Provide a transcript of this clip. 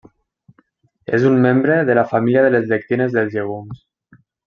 És un membre de la família de les lectines dels llegums.